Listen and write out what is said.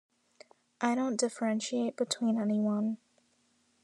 I don't differentiate between anyone.